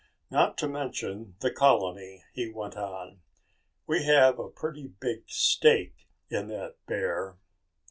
"Not to mention the colony," he went on. "We have a pretty big stake in that bear."